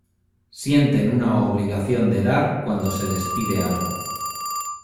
Sienten una obligación de dar cuando se les pide algo.